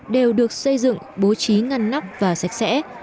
đều được xây dựng bố trí ngăn nắp và sạch sẽ